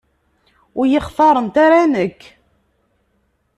Ur yi-xtarent ara nekk.